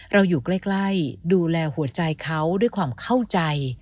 อยู่ใกล้ดูแลหัวใจเขาด้วยความเข้าใจ